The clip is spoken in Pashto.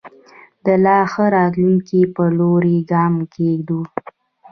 د لا ښه راتلونکي په لوري ګام کېږدو.